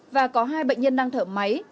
và có hai bệnh nhân đang thở máy